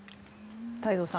太蔵さん